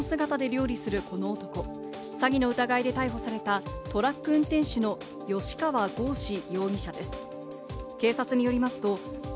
警察官の制服にエプロン姿で料理するこの男、詐欺の疑いで逮捕されたトラック運転手の吉川剛司容疑者です。